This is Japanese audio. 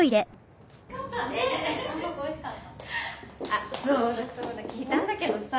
あっそうだそうだ聞いたんだけどさ。